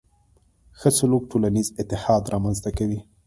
ښه سلوک ټولنیز اتحاد رامنځته کوي.